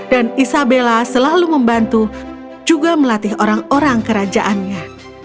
dan isabella selalu membantu juga melatih orang orang kerajaannya